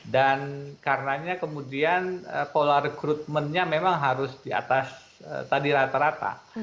dan karenanya kemudian pola rekrutmennya memang harus di atas tadi rata rata